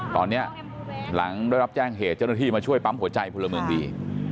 ตอนนี้หลังได้รับแจ้งเหตุเจ้าหน้าที่มาช่วยปั๊มหัวใจพลเมืองดี